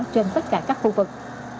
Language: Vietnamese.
trên tất cả các khu vực